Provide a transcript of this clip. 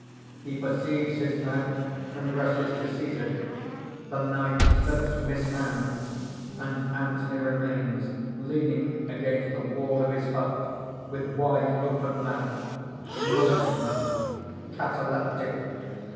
(_He perceives his knife, and rushes to seize it. The knife slips from his hand; and Anthony remains leaning against the wall of his hut, with wide open mouth, motionless, cataleptic.